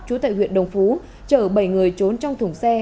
chú tại huyện đồng phú chở bảy người trốn trong thủng xe